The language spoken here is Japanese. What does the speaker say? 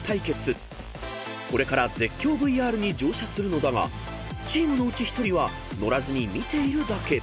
［これから絶叫ＶＲに乗車するのだがチームのうち１人は乗らずに見ているだけ］